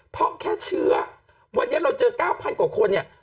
เพราะแค่เชื้อวันนี้เราเจอ๙๐๐กว่าคนเนี่ย